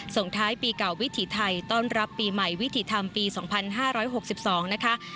ส่งท้ายปีเก่าวิถีไทยต้อนรับปีใหม่วิถีธรรมปี๒๕๖๒นะคะ